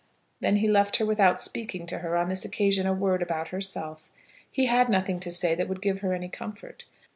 Then he left her without speaking to her on this occasion a word about herself. He had nothing to say that would give her any comfort.